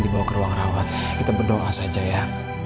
dibawa ke ruang rawat kita berdoa saja ya